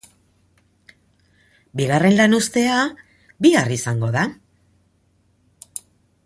Bigarren lanuztea bihar izango da.